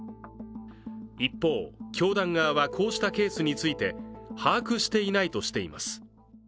一方、教団側はこうしたケースについて把握していないとしています。